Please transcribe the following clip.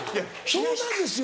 そうなんですよ？